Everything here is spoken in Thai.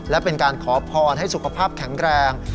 และเป็นการขอพรให้สุขภาพแข็งแรง